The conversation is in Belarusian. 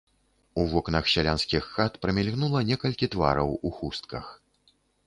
У вокнах сялянскіх хат прамільгнула некалькі твараў у хустках.